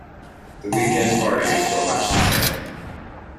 The week-end parties were much the same.